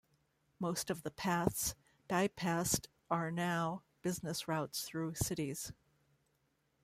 Most of the paths bypassed are now business routes through cities.